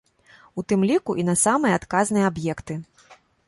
У тым ліку і на самыя адказныя аб'екты.